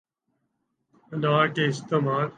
انار کے استعمال